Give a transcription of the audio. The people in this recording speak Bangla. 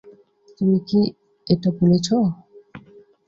তুমি কি এটা বলেছো?